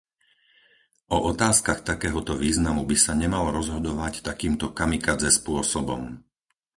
O otázkach takéhoto významu by sa nemalo rozhodovať takýmto kamikadze spôsobom.